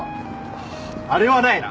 あああれはないな。